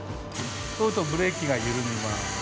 そうするとブレーキが緩みます。